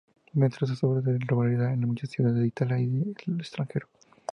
Muestra sus obras con regularidad en muchas ciudades de Italia y el extranjero.